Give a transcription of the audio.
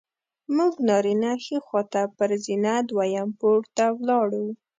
موږ نارینه ښي خوا ته پر زینه دویم پوړ ته ولاړو.